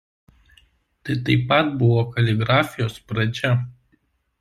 Tai taip pat buvo kaligrafijos pradžia.